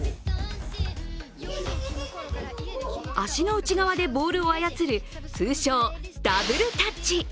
足の内側でボールを操る通称ダブルタッチ。